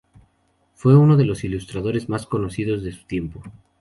Fue uno de los ilustradores más conocidos de su tiempo.